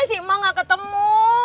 si ma nggak ketemu